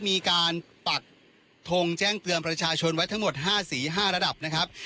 มีการปักทงแจ้งเตือนประชาชนไว้ทั้งหมด๕สี๕ระดับนะครับ